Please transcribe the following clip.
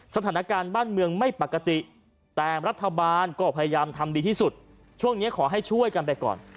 สถานการณ์บ้านเมืองไม่ปกติแต่รัฐบาลก็พยายามทำดีที่สุดช่วงนี้ขอให้ช่วยกันไปก่อน